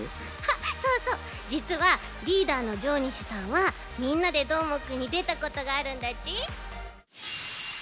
そうそうじつはリーダーの上西さんは「みんなＤＥどーもくん！」にでたことがあるんだち。